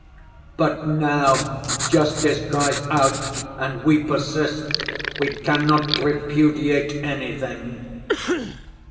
But now justice cries out and we persist, we cannot repudiate anything."